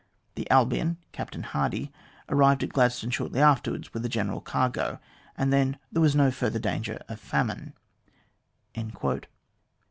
The Albion, Captain Hardy, arrived at Gladstone shortly ^afterwards with a general cargo, and thea there was no further danger of famine."